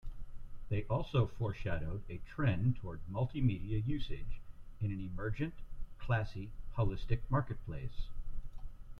They also foreshadowed a trend toward multi-media usage in an emergent, classy, holistic marketplace.